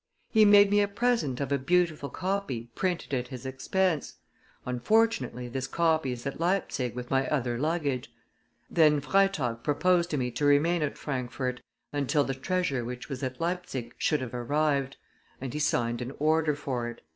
He made me a present of a beautiful copy printed at his expense. Unfortunately this copy is at Leipsic with my other luggage.' Then Freytag proposed to me to remain at Frankfort until the treasure which was at Leipsic should have arrived; and he signed an order for it."